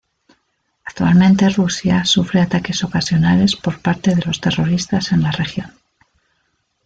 Actualmente Rusia sufre ataques ocasionales por parte de los terroristas en la región.